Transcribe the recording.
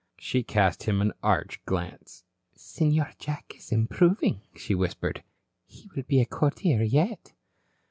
She cast him an arch glance. "Senor Jack is improving," she whispered. "He will be a courtier yet."